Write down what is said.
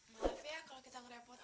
maaf ya kalau kita ngerepot